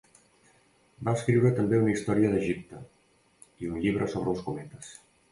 Va escriure també una història d'Egipte, i un llibre sobre els cometes.